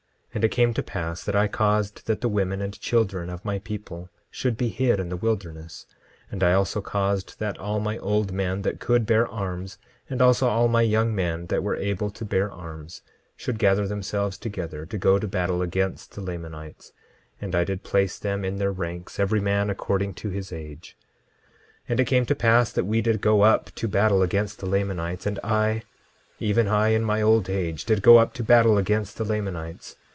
10:9 And it came to pass that I caused that the women and children of my people should be hid in the wilderness; and I also caused that all my old men that could bear arms, and also all my young men that were able to bear arms, should gather themselves together to go to battle against the Lamanites; and I did place them in their ranks, every man according to his age. 10:10 And it came to pass that we did go up to battle against the Lamanites; and I, even I, in my old age, did go up to battle against the Lamanites.